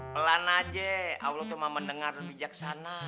pelan aja awal lo tuh mau mendengar bijaksana